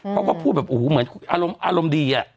เขาก็พูดแบบโอ้โหเหมือนอารมณ์ดีอะ